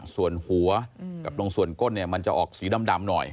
ส่วนหัวกับตรงส่วนก้นจะออกสีดำหน่อย